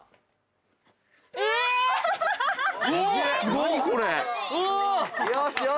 何これ！